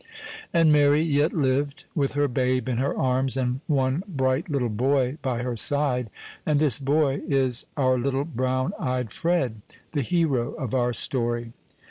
And Mary yet lived, with her babe in her arms, and one bright little boy by her side; and this boy is our little brown eyed Fred the hero of our story.